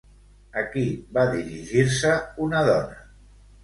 A qui va dirigir-se una dona?